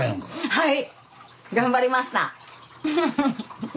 はい。